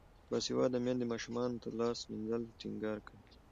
باسواده میندې ماشومانو ته د لاس مینځلو ټینګار کوي.